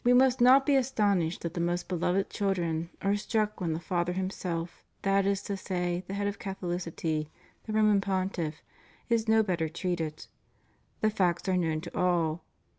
575 must not be astonished that the most beloved children are struck when the father himself, that is to say the head of Catholicity, the Roman Pontiff, is no better treated. The facts are known to all.